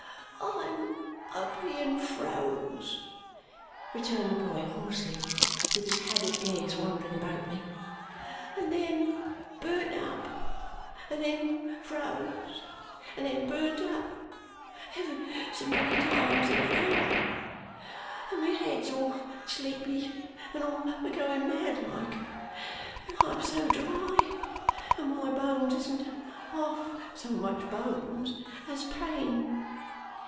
"I'm a being froze," returned the boy hoarsely, with his haggard gaze wandering about me, "and then burnt up, and then froze, and then burnt up, ever so many times in a hour. And my head's all sleepy, and all a going mad like and I'm so dry and my bones isn't half so much bones as pain.